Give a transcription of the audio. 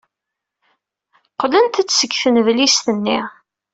Qqlent-d seg tnedlist-nni.